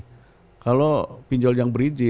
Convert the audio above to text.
ini pinjol pinjol yang berizin aja nih